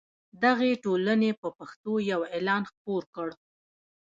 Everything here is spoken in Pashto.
دغې ټولنې په پښتو یو اعلان خپور کړ.